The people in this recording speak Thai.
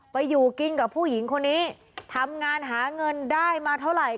ไปอยู่กินกับผู้หญิงคนนี้ทำงานหาเงินได้มาเท่าไหร่